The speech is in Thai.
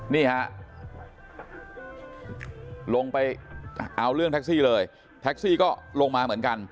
นี่ฮะลงไปเอาเรื่องแท็กซี่เลยแท็กซี่ก็ลงมาเหมือนกัน